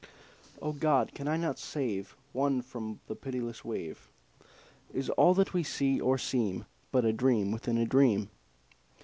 O God! can I not save One from the pitiless wave? Is all that we see or seem Is but a dream within a dream.